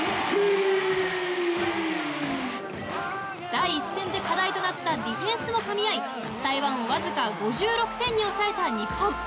第１戦で課題となったディフェンスもかみ合い台湾をわずか５６点に抑えた日本。